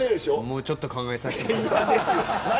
もうちょっと考えさせてください。